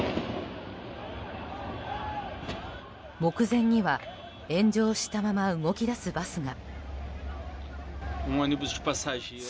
目前には炎上したまま動き出すバスが。